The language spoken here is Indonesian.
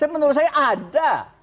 menurut saya ada